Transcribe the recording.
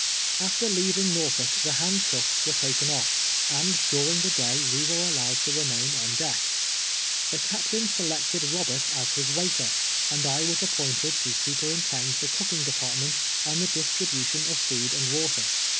After leaving jSTorfolk the hand cuffs were taken olF, and during tlie day we were allowed to remain on deck. Tlie captain selected Robert as his waiter, and I was appointed to superinteiid the cooking de partment, and the distribution of food and water.